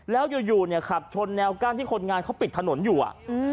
แล้วอยู่เนี่ยขับชนแนวกั้นที่คนงานเขาปิดถนนอยู่อ่ะ